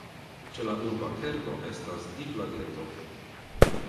Ĉe la urba kerno estas diglageto.